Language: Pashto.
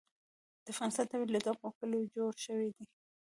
د افغانستان طبیعت له دغو کلیو جوړ شوی دی.